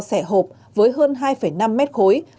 xẻ hộp với hơn hai năm mét khối